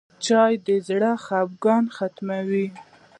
چای د زړه خفګان ختموي.